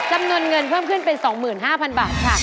จำนวนเงินเพิ่มขึ้นเป็น๒๕๐๐บาทค่ะ